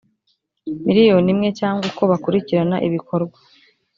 miliyoni imwe cyangwa uko bakurikirana ibikorwa